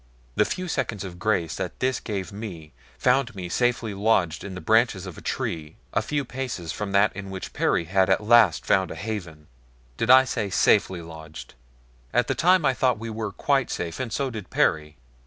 The few seconds of grace that this gave me found me safely lodged in the branches of a tree a few paces from that in which Perry had at last found a haven. Did I say safely lodged? At the time I thought we were quite safe, and so did Perry.